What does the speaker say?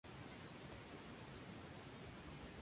Dos de sus miembros murieron muy jóvenes.